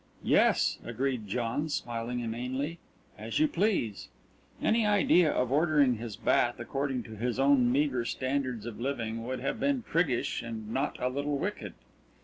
"Yes," agreed John, smiling inanely, "as you please." Any idea of ordering this bath according to his own meagre standards of living would have been priggish and not a little wicked.